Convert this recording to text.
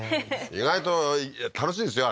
意外と楽しいんですよ